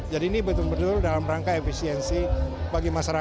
jadi ini betul betul dalam rangka efisiensi bagi masyarakat